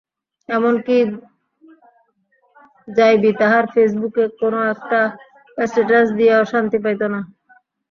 এমনকি যাইবি তাহার ফেসবুকে কোনো একটা স্ট্যাটাস দিয়াও শান্তি পাইত না।